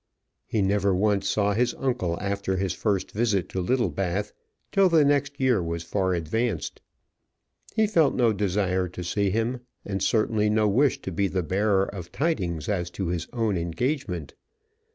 He never once saw his uncle after his first visit to Littlebath till the next year was far advanced. He felt no desire to see him, and certainly no wish to be the bearer of tidings as to his own engagement.